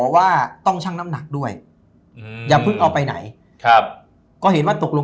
ว่าต้องชั่งน้ำหนักด้วยอืมอย่าเพิ่งเอาไปไหนครับก็เห็นว่าตกลง